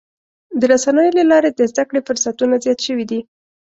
د رسنیو له لارې د زدهکړې فرصتونه زیات شوي دي.